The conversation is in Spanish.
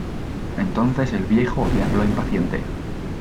entonces el viejo le habló impaciente: